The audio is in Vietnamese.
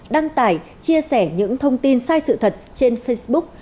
đăng tải chia sẻ những thông tin sai sự thật trên facebook